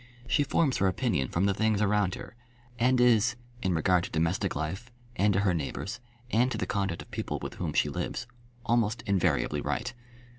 She forms her opinion from the things around her, and is, in regard to domestic life, and to her neighbours, and to the conduct of people with whom she lives, almost invariably right.